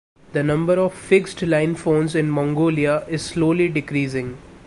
The number of fixed-line phones in Mongolia is slowly decreasing.